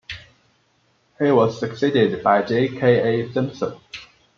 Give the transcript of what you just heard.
He was succeeded by J. K. A. Simpson.